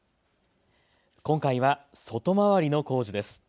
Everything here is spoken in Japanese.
今回は外回りの工事です。